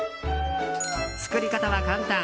作り方は簡単。